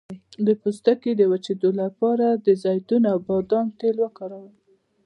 د پوستکي د وچیدو لپاره د زیتون او بادام تېل وکاروئ